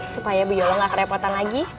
supaya bu yola gak kerepotan lagi